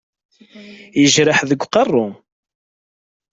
Yejreḥ deg uqerru.